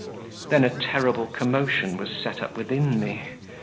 Then a terrible commotion was set up within me.